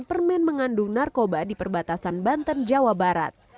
permen mengandung narkoba di perbatasan banten jawa barat